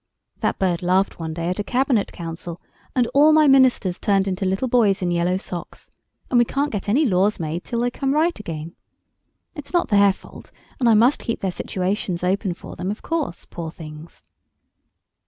That bird laughed one day at a Cabinet Council, and all my ministers turned into little boys in yellow socks. And we can't get any laws made till they come right again. It's not their fault, and I must keep their situations open for them, of course, poor things."